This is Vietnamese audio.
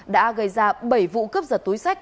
đã gây ra bảy vụ cướp giật túi sách